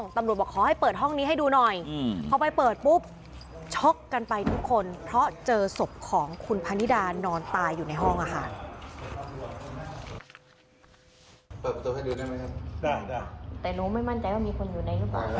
แต่รู้ไม่มั่นใจว่ามีคนอยู่ในหรือเปล่า